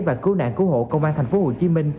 và cứu nạn cứu hộ công an tp hcm